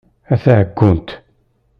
A taɛeggunt!